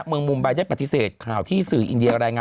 เมืองมุมใบได้ปฏิเสธข่าวที่สื่ออินเดียรายงาน